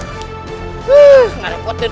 kalau misalnya waskuchang